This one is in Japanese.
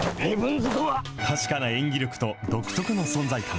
確かな演技力と独特の存在感。